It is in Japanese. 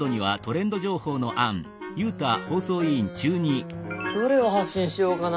うんどれを発信しようかな？